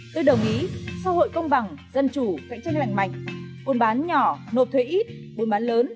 tôi đồng ý xã hội công bằng dân chủ cạnh tranh lành mạnh buôn bán nhỏ nộp thuế ít buôn bán lớn